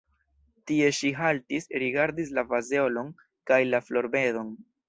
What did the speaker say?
Tie ŝi haltis, rigardis la fazeolon kaj la florbedon.